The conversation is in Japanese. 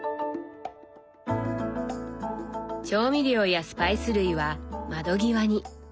調味料やスパイス類は窓際に。